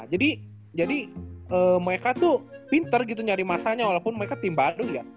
iya jadi mereka tuh pinter gitu nyari masanya walaupun mereka tim baru ya